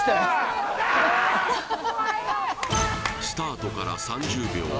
スタートから３０秒